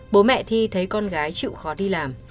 bố mẹ thi thấy con gái chịu khó đi làm